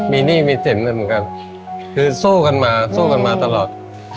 มีหนี้มีเสร็จเหมือนกันคือโซ่กันมาโซ่กันมาตลอด